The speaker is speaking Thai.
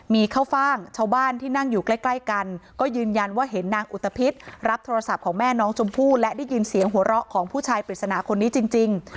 มีข้าวฟ่างชาวบ้านที่นั่งอยู่ใกล้ใกล้กันก็ยืนยันว่าเห็นนางอุตภิษรับโทรศัพท์ของแม่น้องชมพู่และได้ยินเสียงหัวเราะของผู้ชายปริศนาคนนี้จริง